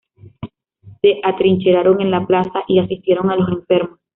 Se atrincheraron en la plaza y asistieron a los enfermos.